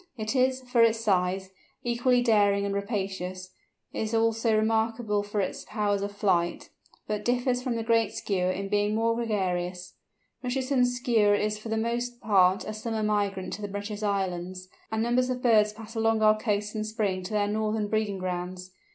It is, for its size, equally daring and rapacious; is also remarkable for its powers of flight; but differs from the Great Skua in being more gregarious. Richardson's Skua is for the most part a summer migrant to the British Islands, and numbers of birds pass along our coasts in spring to their northern breeding grounds.